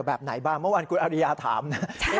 แบบไหนบ้างเมื่อวานคุณอริยาถามนะ